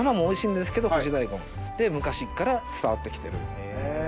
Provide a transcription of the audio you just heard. で昔から伝わって来てる。